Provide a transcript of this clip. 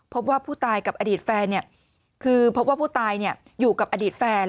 พบว่าผู้ตายกับอดีตแฟนคือพบว่าผู้ตายอยู่กับอดีตแฟน